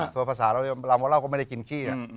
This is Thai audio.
ตัวภาษาเราเรียกว่าเมาเหล้าก็ไม่ได้กินขี้